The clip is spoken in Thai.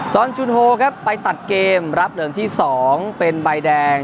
อนจุนโฮครับไปตัดเกมรับเหลิงที่๒เป็นใบแดง